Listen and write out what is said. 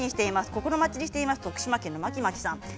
心待ちにしていますということです。